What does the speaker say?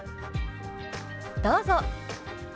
どうぞ。